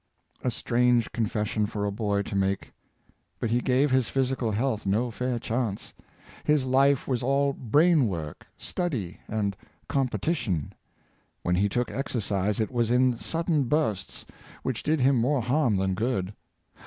A strange confession for a boy to make! But he gave his physical health no fair chance. His life was all brain work, study, and competition. When he took exercise it was in sudden bursts, which did him more harm than good.